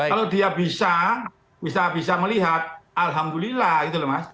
kalau dia bisa bisa melihat alhamdulillah gitu loh mas